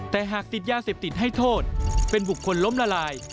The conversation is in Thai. แต่หากติดยาเสพติดให้โทษเป็นบุคคลล้มละลาย